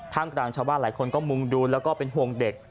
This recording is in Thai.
กลางชาวบ้านหลายคนก็มุ่งดูแล้วก็เป็นห่วงเด็ก